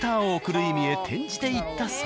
意味へ転じていったそう。